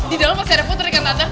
di dalam pasti ada putri kan tante